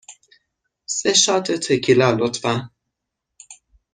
سه شات تکیلا، لطفاً.